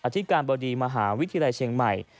ธิการบดีมหาวิทยาลัยเชียงใหม่